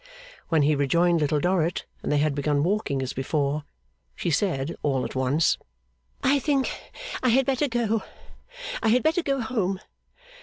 When he rejoined Little Dorrit, and they had begun walking as before, she said all at once: 'I think I had better go. I had better go home.